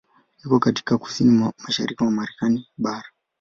Iko katika kusini-mashariki ya Marekani bara.